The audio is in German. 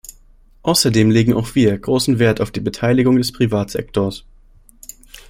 Außerdem legen auch wir großen Wert auf die Beteiligung des Privatsektors.